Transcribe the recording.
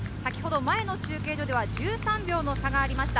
前の中継所では１３秒の差がありました。